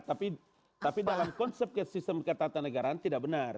tapi dalam konsep sistem ketatanegaraan tidak benar